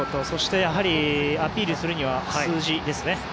そして、やはりアピールするには数字ですね。